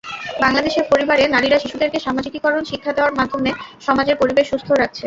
বাংলাদেশের পরিবারে নারীরা শিশুদেরকে সামাজিকীকরণ শিক্ষা দেওয়ার মাধ্যমে সমাজের পরিবেশ সুস্থ রাখছে।